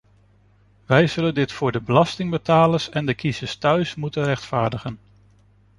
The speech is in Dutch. Wij zullen dit voor de belastingbetalers en de kiezers thuis moeten rechtvaardigen.